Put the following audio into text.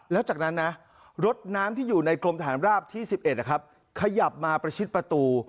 แล้วจากนั้นนะรถน้ำที่อยู่ในกรมฐานราบที่๑๑ขยับมาประชิดประตู